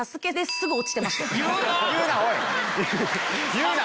すぐ落ちてましたよ。